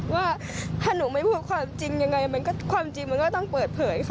ว่าถ้าหนูไม่พูดความจริงยังไงมันก็ความจริงมันก็ต้องเปิดเผยค่ะ